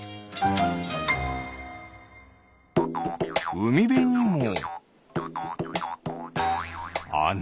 うみべにもあな。